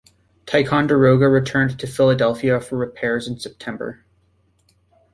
"Ticonderoga" returned to Philadelphia for repairs in September.